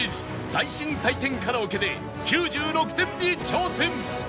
最新採点カラオケで９６点に挑戦！